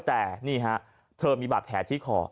แต่นี่ฮะเธอมีบาดแผลที่คอ